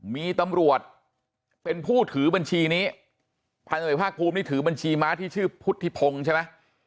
มีตำรวจเป็นผู้ถือบัญชีนี้พันธุภาคภูมินี่ถือบัญชีม้าที่ชื่อพุทธิพงศ์ใช่ไหม